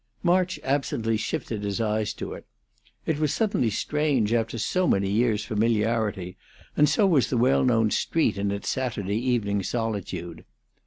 March absently lifted his eyes to it. It was suddenly strange after so many years' familiarity, and so was the well known street in its Saturday evening solitude.